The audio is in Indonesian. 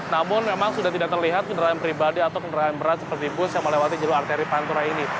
namun memang sudah tidak terlihat kendaraan pribadi atau kendaraan berat seperti bus yang melewati jalur arteri pantura ini